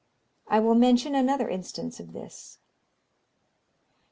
I will mention another instance of this.